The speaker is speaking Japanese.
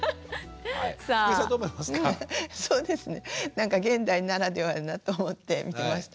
なんか現代ならではだと思って見てました。